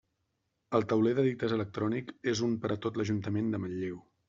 El Tauler d'edictes electrònic és únic per a tot l'Ajuntament de Manlleu.